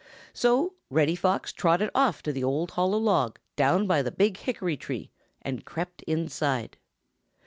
So Reddy Fox trotted off to the hollow log down by the big hickory tree and crept inside.